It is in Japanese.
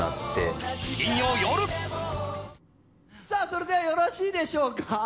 さあそれではよろしいでしょうか？